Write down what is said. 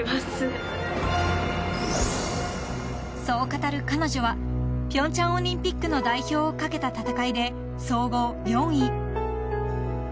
［そう語る彼女は平昌オリンピックの代表を懸けた戦いで総合４位］